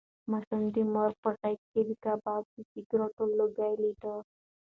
ماشوم د مور په غېږ کې د کباب د سګرټو لوګی لیده.